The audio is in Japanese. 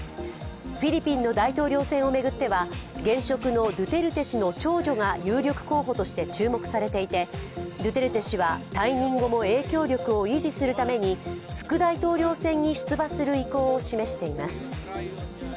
フィリピンの大統領選を巡っては現職のドゥテルテ氏の長女が有力候補として注目されていてドゥテルテ氏は退任後も影響力を維持するために副大統領選に出馬する意向を示しています。